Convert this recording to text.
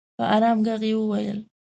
په ارام ږغ یې وویل